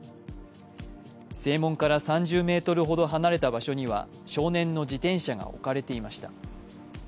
正門から３０ｍほど離れた場所には少年の自転車が置かれていました。